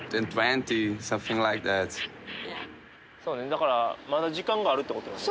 だからまだ時間があるってことね。